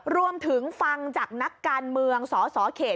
รวมถึงฟังจากนักการเมืองสสเขต